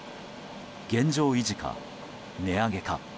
現状維持か、値上げか。